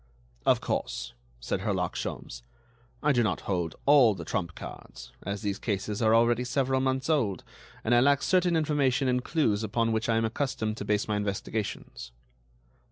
"Of course," said Herlock Sholmes, "I do not hold all the trump cards, as these cases are already several months old, and I lack certain information and clues upon which I am accustomed to base my investigations."